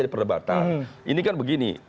ini kan begini